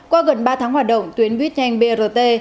qua gần ba tháng hoạt động tuyến buýt nhanh brt